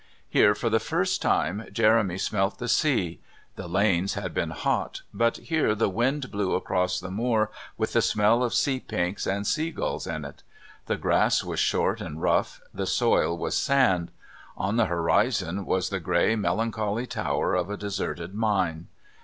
Here, for the first time, Jeremy smelt the sea; the lanes had been hot, but here the wind blew across the moor, with the smell of sea pinks and sea gulls in it. The grass was short and rough; the soil was sand. On the horizon was the grey, melancholy tower of a deserted mine.